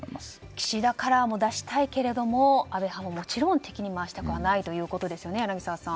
岸田カラーも出したいけれど安倍派ももちろん敵に回したくないということですよね、柳澤さん。